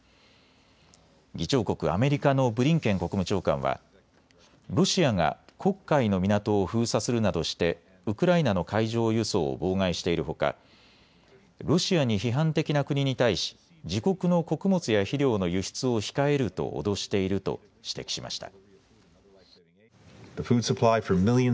議長国アメリカのブリンケン国務長官はロシアが黒海の港を封鎖するなどしてウクライナの海上輸送を妨害しているほかロシアに批判的な国に対し自国の穀物や肥料の輸出を控えると脅していると指摘しました。